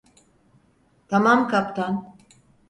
Tamam kaptan.